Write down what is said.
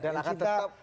dan akan tetap